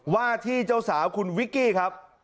ว่าที่เจ้าสาวคุณวิกกี้ครับ